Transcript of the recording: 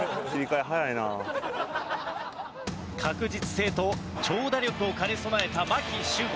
確実性と長打力を兼ね備えた牧秀悟。